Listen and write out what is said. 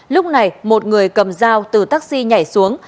lúc này một người cầm dao từ taxi nhảy xuống